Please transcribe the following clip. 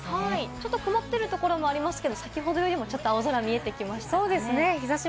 ちょっと曇ってるところもありますが、先ほどより青空が広がってきました。